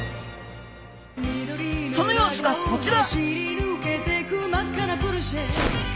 その様子がこちら！